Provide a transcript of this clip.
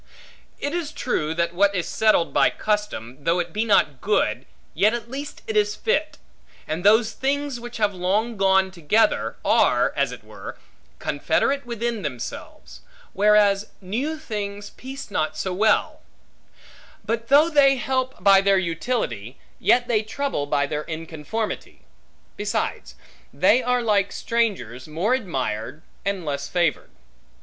It is true, that what is settled by custom, though it be not good, yet at least it is fit; and those things which have long gone together, are, as it were, confederate within themselves; whereas new things piece not so well; but though they help by their utility, yet they trouble by their inconformity. Besides, they are like strangers; more admired, and less favored.